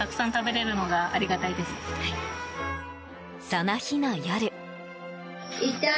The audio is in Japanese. その日の夜。